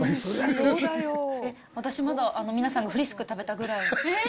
私、まだ皆さんがフリスク食べたぐらい。